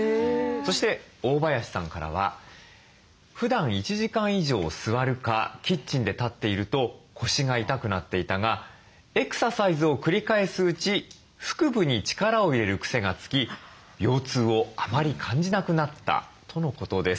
そして大林さんからは「ふだん１時間以上座るかキッチンで立っていると腰が痛くなっていたがエクササイズを繰り返すうち腹部に力を入れる癖がつき腰痛をあまり感じなくなった」とのことです。